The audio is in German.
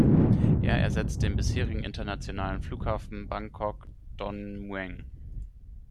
Er ersetzt den bisherigen internationalen Flughafen Bangkok-Don Mueang.